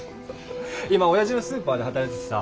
今おやじのスーパーで働いててさ。